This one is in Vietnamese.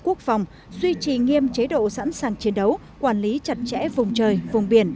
quốc phòng duy trì nghiêm chế độ sẵn sàng chiến đấu quản lý chặt chẽ vùng trời vùng biển